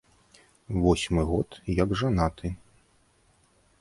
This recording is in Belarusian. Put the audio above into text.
Восьмы год як жанаты.